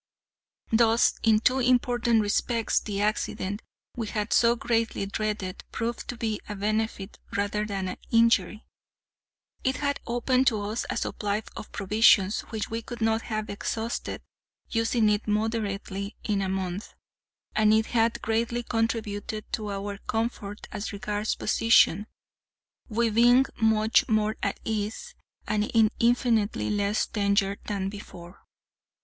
Thus, in two important respects, the accident we had so greatly dreaded proved to be a benefit rather than an injury; it had opened to us a supply of provisions which we could not have exhausted, using it moderately, in a month; and it had greatly contributed to our comfort as regards position, we being much more at ease, and in infinitely less danger, than before.